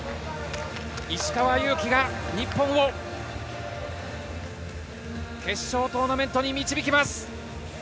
石川祐希が日本を決勝トーナメントに導きます。